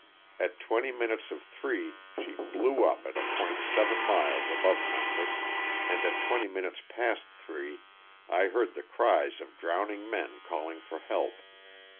At twenty minutes of three she blew up at a point seven miles above Memphis, and at twenty minutes past three I heard the cries of drowning men calling for help.